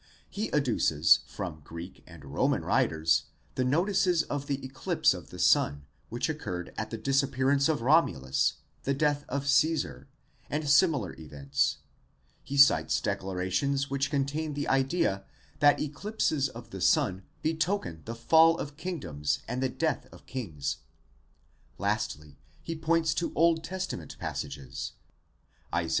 He adduces. from Greek and Roman writers the notices of the eclipses of the sun which occurred at the disappearance of Romulus, the death of Cesar,® and similar events ; he cites declarations which contain the idea that eclipses of the sun betoken the fall of kingdoms and the death of kings; lastly he points to Old Testament passages (Isa.